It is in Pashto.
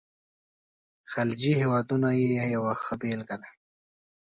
خلیجي هیوادونه یې یوه ښه بېلګه ده.